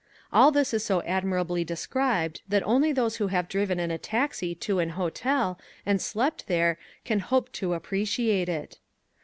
All this is so admirably described that only those who have driven in a taxi to an hotel and slept there can hope to appreciate it.